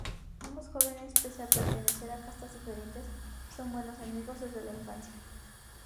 Ambos jóvenes pese a pertenecer a castas diferentes son buenos amigos desde la infancia.